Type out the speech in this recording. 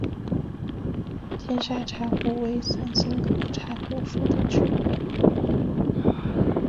天山柴胡为伞形科柴胡属的植物。